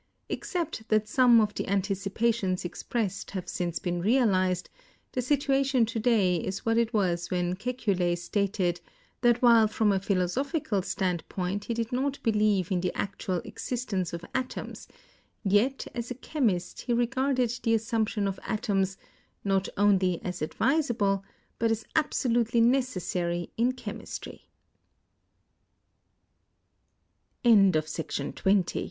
Ex cept that some of the anticipations expressed have since been realized, the situation to day is what it was when Kekule" stated that while from a philosophical standpoint he did not believe in the actual existence of atoms, yet as a chemist he regarded the assumption of atoms, "not only as advisable, but as absolutely necessary in chem